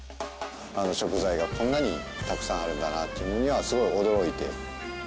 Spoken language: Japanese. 食材がこんなにたくさんあるんだなというのにはすごい驚いて。